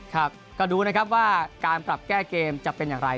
ครับก็ดูนะครับว่าการปรับแก้เกมจะเป็นอย่างไร